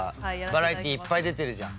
バラエティーいっぱい出てるじゃん。